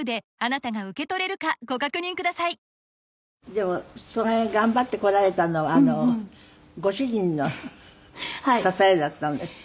でもそれ頑張ってこられたのはご主人の支えだったんですって？